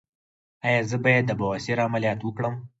ایا زه باید د بواسیر عملیات وکړم؟